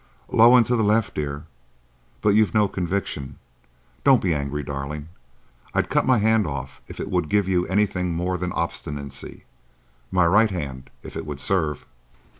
Low and to the left, dear. But you've no conviction. Don't be angry, darling. I'd cut my hand off if it would give you anything more than obstinacy. My right hand, if it would serve."